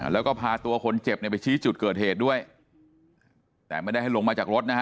แล้วก็พาตัวคนเจ็บเนี่ยไปชี้จุดเกิดเหตุด้วยแต่ไม่ได้ให้ลงมาจากรถนะฮะ